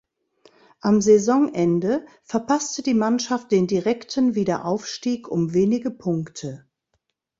Am Saisonende verpasste die Mannschaft den direkten Wiederaufstieg um wenige Punkte.